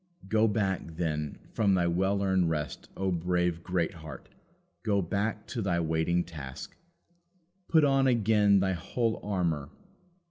Go back, then, from thy well earned rest, O brave Greatheart! go back to thy waiting task. Put on again thy whole armour.